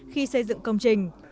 khi xây dựng công trình